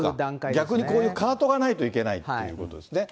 逆にこういうカートがないといけないということですよね。